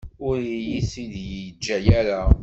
Ur iyi-t-id-yeǧǧa ara.